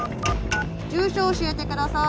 住所教えて下さい。